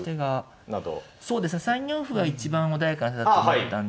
３四歩が一番穏やかな手だと思ったんですけど。